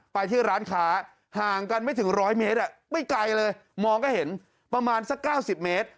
ไปที่ร้านค้าห่างกันไม่ถึง๑๐๐เมตรไม่ไกลเลยมองก็เห็นประมาณสัก๙๐เมตร